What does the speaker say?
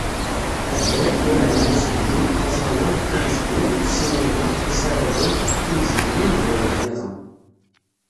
Addal, uraren n usegmi, aẓawan, amezgun, ssinima, isaragen, timziknin d wayen-nniḍen.